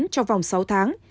trong vòng sáu tháng